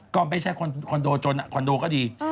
ก็ไม่ใช่คอนโดจนคอนโดก็ดี